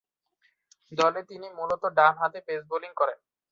দলে তিনি মূলতঃ ডানহাতি পেস বোলিং করেন।